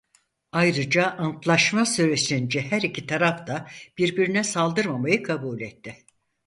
Ayrıca antlaşma süresince her iki taraf da birbirine saldırmamayı kabul etti.